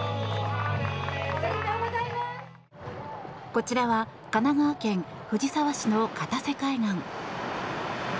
こちらは神奈川県藤沢市の片瀬海岸。